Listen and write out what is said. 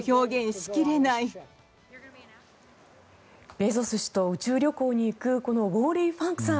ベゾス氏と宇宙旅行に行くこのウォーリー・ファンクさん。